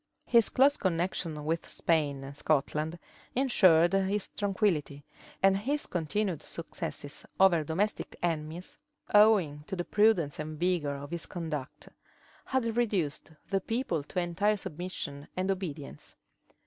His close connections with Spain and Scotland insured his tranquillity; and his continued successes over domestic enemies, owing to the prudence and vigor of his conduct, had reduced the people to entire submission and obedience.